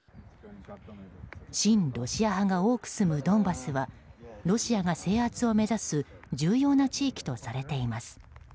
親ロシア派が多く住むドンバスはロシアが制圧を目指す重要な地域とされています。